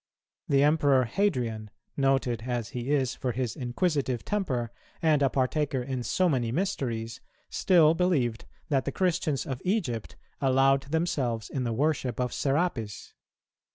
The Emperor Hadrian, noted as he is for his inquisitive temper, and a partaker in so many mysteries,[217:2] still believed that the Christians of Egypt allowed themselves in the worship of Serapis.